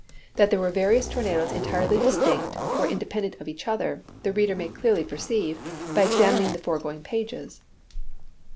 That there were various tornadoes entirely distinct, or independent of each other, the reader may clearly perceive, by examining the foregoing pages.